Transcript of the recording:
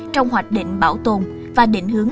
trong hoạch định bảo tồn và định hướng